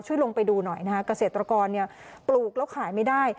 ลงไปดูหน่อยนะฮะเกษตรกรปลูกแล้วขายไม่ได้